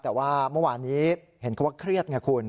แต่ว่าเมื่อวานนี้เห็นเขาว่าเครียดไงคุณ